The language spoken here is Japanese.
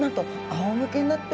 あおむけになって？